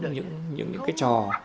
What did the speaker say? những những những cái trò